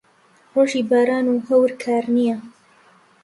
ڕۆژی باران و هەور کار نییە.